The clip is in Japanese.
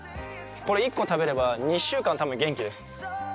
これ１個食べれば２週間多分元気です。